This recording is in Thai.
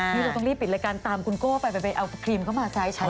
นี่เราต้องรีบปิดรายการตามคุณโก้ไปไปเอาครีมเข้ามาไซส์ฉัน